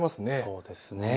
そうですね。